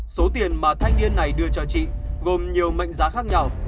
số tiền mà thanh niên này đưa cho chị gồm nhiều mệnh giá khác nhau